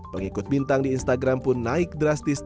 pengikut bintang di instagram pun naik drastis